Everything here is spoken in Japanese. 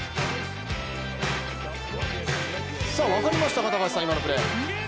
分かりましたか、高橋さん、今のプレー。